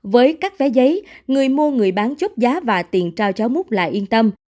với các vé giấy người mua người bán chốt giá và tiền trao cháu múc lại yên tâm